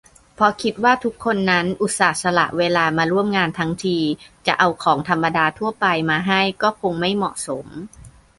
เพราะคิดว่าทุกคนนั้นอุตส่าห์สละเวลามาร่วมงานทั้งที จะเอาของธรรมดาทั่วไปมาให้ก็คงไม่เหมาะสม